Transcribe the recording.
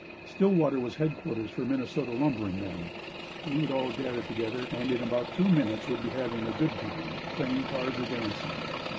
Stillwater was headquarters for Minnesota lumbering then. We would all gather together and in about two minutes would be having a good time playing cards or dancing.